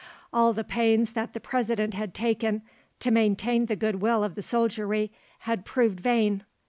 All the pains that the President had taken to maintain the good will of the soldiery had proved vain.